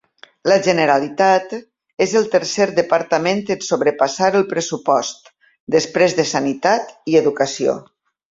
La Generalitat és el tercer departament en sobrepassar el pressupost, després de Sanitat i Educació.